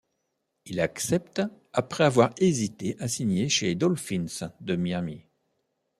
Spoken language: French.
Il accepte après avoir hésité à signer chez les Dolphins de Miami.